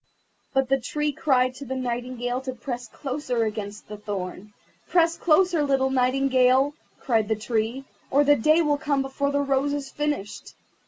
But the Tree cried to the Nightingale to press closer against the thorn. "Press closer, little Nightingale," cried the Tree, "or the Day will come before the rose is finished."